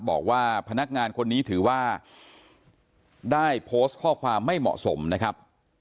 บอกว่าพนักงานคนนี้ถือว่าได้โพสต์ข้อความไม่เหมาะสมนะครับ